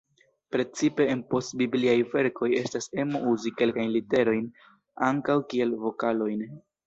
Precipe en post-bibliaj verkoj, estas emo uzi kelkajn literojn ankaŭ kiel vokalojn.